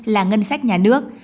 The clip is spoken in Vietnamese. là ngân sách nhà nước